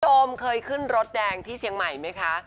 โมเคยขึ้นรถแดงที่เชียงใหม่ไหมคะ